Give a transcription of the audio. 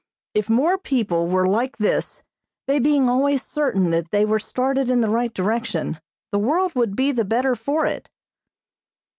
If more people were like this, they being always certain that they were started in the right direction, the world would be the better for it.